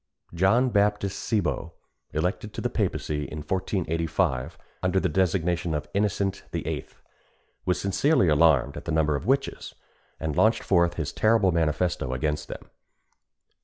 John Baptist Cibo, elected to the papacy in 1485, under the designation of Innocent VIII., was sincerely alarmed at the number of witches, and launched forth his terrible manifesto against them.